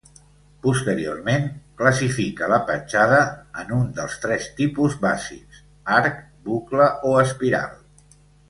Posteriorment, classifica la petjada en un dels tres tipus bàsics: arc, bucle o espiral.